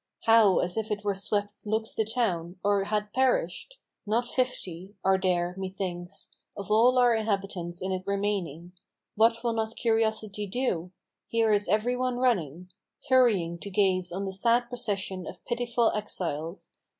How as if it were swept looks the town, or had perished! Not fifty Are there, methinks, of all our inhabitants in it remaining, What will not curiosity do! here is every one running, Hurrying to gaze on the sad procession of pitiful exiles.